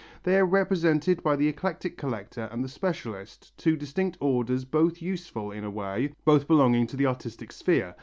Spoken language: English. They are represented by the eclectic collector and the specialist, two distinct orders both useful in a way, both belonging to the artistic sphere.